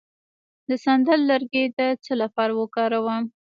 د سندل لرګی د څه لپاره وکاروم؟